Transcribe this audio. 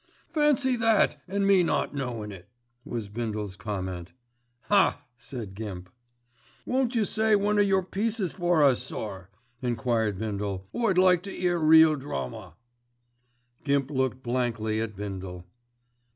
"Fancy that, an' me not knowin' it," was Bindle's comment. "Haaa!" said Gimp. "Won't you say one o' your pieces for us, sir?" enquired Bindle. "I'd like to 'ear real drama." Gimp looked blankly at Bindle.